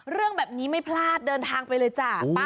เรื่องแบบนี้ไม่พลาดเดินทางไปเลยจ้ะ